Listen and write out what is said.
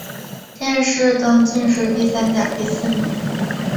殿试登进士第三甲第四名。